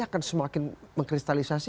akan semakin mengkristalisasi